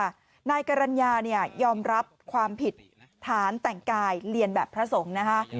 หน้ากรรณญายอมรับความผิดฐานแต่งกายเลียนแบบพระสงฆ์